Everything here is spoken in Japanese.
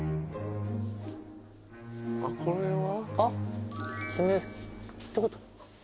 あっこれは。